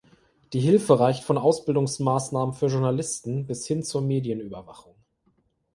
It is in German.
Die Hilfe reicht von Ausbildungsmaßnahmen für Journalisten bis hin zur Medienüberwachung.